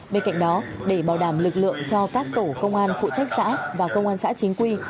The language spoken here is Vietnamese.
bên cạnh đó để bảo đảm lực lượng cho các tổ công an phụ trách xã và công an xã chính quy